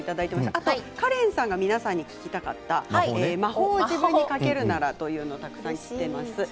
あとカレンさんが皆さんに聞きたかった、魔法を自分にかけるならというのもたくさん来てます。